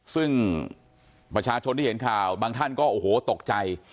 ซึ่งประชาชนที่เห็นข่าวบางท่านก็โอ้โหตกใจ